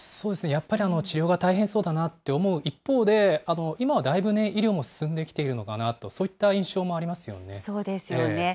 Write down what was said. やっぱり治療が大変そうだなと思う一方で、今はだいぶね、医療も進んできているのかなと、そういった印象もありそうですよね。